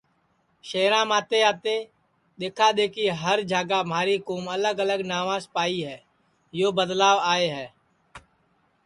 شہرام آتے آتے دِؔکھا دِؔکھی ہر جھاگا مہاری کُوم الگ الگ ناوس پائی ہے یو بدلاو آئے ہے